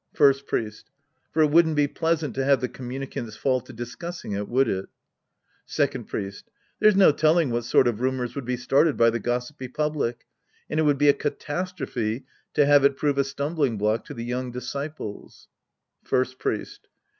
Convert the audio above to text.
First Priest. For it wouldn't be pleasant to have the communicants fall to discussing it, would it ? Second Priest. There'.s no telling what sort of rumors would be started by the gossipy public. And it would be a catastrophy to have it prove a stumbling block to the yoving disciples. First FHest.